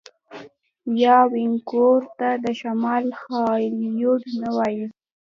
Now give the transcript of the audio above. آیا وینکوور ته د شمال هالیوډ نه وايي؟